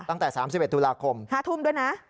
ตั้งแต่๓๑ตุลาคม๕ทุ่มด้วยนะ